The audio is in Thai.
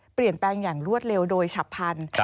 เปลี่ยนแปลงอย่างรวดเร็วโดยฉับพันธุ์